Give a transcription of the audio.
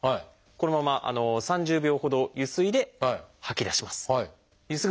このまま３０秒ほどゆすいで吐き出します。